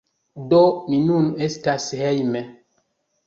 Do, mi nun estas hejme